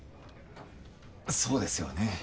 そうですよね。